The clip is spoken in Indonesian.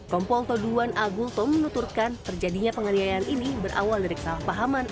kompol toduan agulto menuturkan terjadinya penganiayaan ini berawal dari kesalahpahaman